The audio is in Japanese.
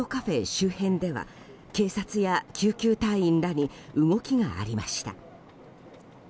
周辺では警察や救急隊員らに動きがありました。